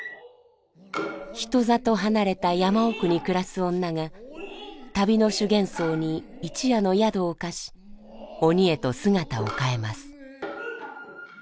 人里離れた山奥に暮らす女が旅の修験僧に一夜の宿を貸し鬼へと姿を変えます。